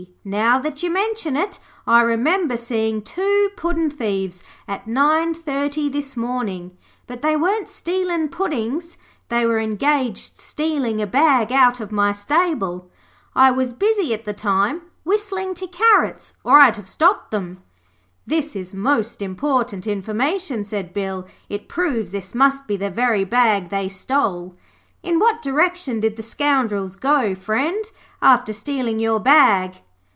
Now that you mention it, I remember seeing two puddin' thieves at nine thirty this morning. But they weren't stealing puddin's. They were engaged stealing a bag out of my stable. I was busy at the time whistling to the carrots, or I'd have stopped them.' 'This is most important information,' said Bill. 'It proves this must be the very bag they stole. In what direction did the scoundrels go, friend, after stealing your bag?'